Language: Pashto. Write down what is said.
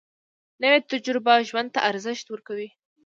نوې تجربه ژوند ته ارزښت ورکوي